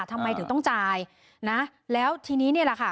ทำไมถึงต้องจ่ายนะแล้วทีนี้เนี่ยแหละค่ะ